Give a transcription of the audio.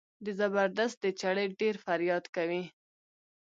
د زبردست د چړې ډېر فریاد کوي.